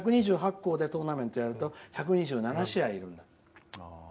１２８校でトーナメントやると１２７試合必要なの。